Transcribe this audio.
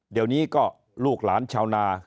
เดี๋ยวนี้ก็ลูกหลานชาวนา